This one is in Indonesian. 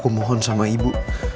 aku bener bener sayang sama anak ibu